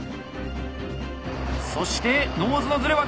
そしてノーズのズレはどうだ？